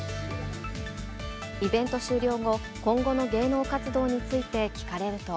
イベント終了後、今後の芸能活動について聞かれると。